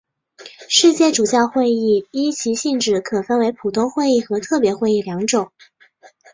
世界主教会议依其性质可分为普通会议和特别会议两种。